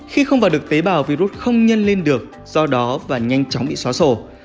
khi không vào được tế bào virus không nhân lên được do đó và nhanh chóng bị xóa sổ